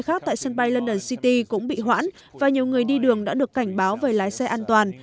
khác tại sân bay london city cũng bị hoãn và nhiều người đi đường đã được cảnh báo về lái xe an toàn